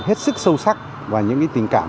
hết sức sâu sắc và những tình cảm